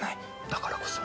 だからこそ。